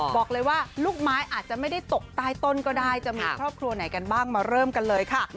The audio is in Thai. บอกเลยว่าลูกไม้อาจจะไม่ได้ตกใต้ต้นก็ได้จะมีครอบครัวไหนกันบ้างมาเริ่มกันเลยค่ะ